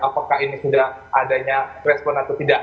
apakah ini sudah adanya respon atau tidak